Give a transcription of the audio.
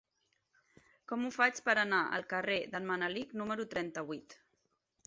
Com ho faig per anar al carrer d'en Manelic número trenta-vuit?